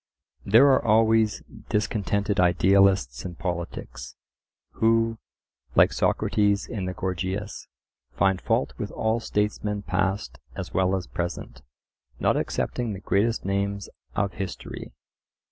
There are always discontented idealists in politics who, like Socrates in the Gorgias, find fault with all statesmen past as well as present, not excepting the greatest names of history.